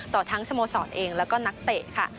ต่อทั้งสโมสรเองแล้วก็นักเตะค่ะ